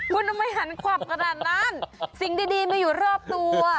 คุณทำไมหันขวับขนาดนั้นสิ่งดีมาอยู่รอบตัว